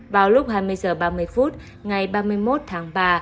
vào lúc hai mươi h ba mươi phút ngày ba mươi một tháng ba